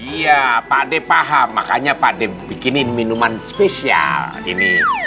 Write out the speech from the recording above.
iya pakde paham makanya pakde bikinin minuman spesial ini